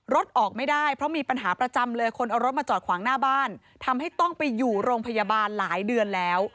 รถออกไม่ได้เพราะมีปัญหาประจำเลยคนเอารถมาจอดขวางหน้าบ้านทำให้ต้องไปอยู่โรงพยาบาลหลายเดือนแล้ว